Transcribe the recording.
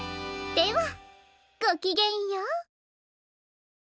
ではごきげんよう。